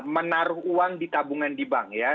menaruh uang di tabungan di bank ya